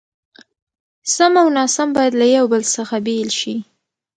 سم او ناسم بايد له يو بل څخه بېل شي.